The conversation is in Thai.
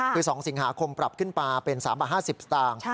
คือ๒สิงหาคมปรับขึ้นมาเป็น๓บาท๕๐สตางค์